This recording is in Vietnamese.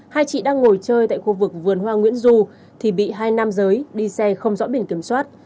hai chị đang ngồi chơi tại khu vực vườn hoa nguyễn du thì bị hai nam giới đi xe không rõ biển kiểm soát